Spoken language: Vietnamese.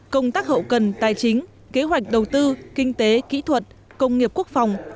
công tác hậu cần tài chính kế hoạch đầu tư kinh tế kỹ thuật công nghiệp quốc phòng